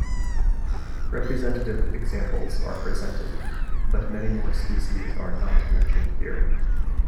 Representative examples are presented, but many more species are not mentioned here.